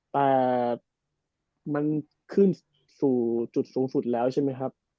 แต่มันขึ้นสู่จุดสูงสุดแล้วใช่ไหมครับ